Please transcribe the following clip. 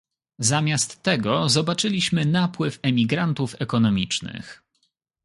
Zamiast tego zobaczyliśmy napływ emigrantów ekonomicznych